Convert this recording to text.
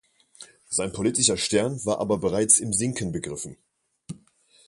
Sein politischer Stern war aber bereits im Sinken begriffen.